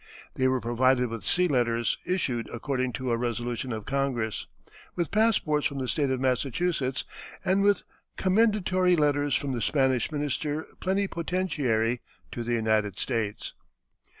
They were provided with sea letters issued according to a resolution of Congress, with passports from the State of Massachusetts, and with commendatory letters from the Spanish minister plenipotentiary to the United States.